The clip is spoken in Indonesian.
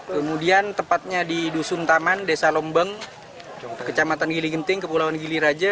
kemudian tepatnya di dusun taman desa lombeng kecamatan gili genting kepulauan gili raja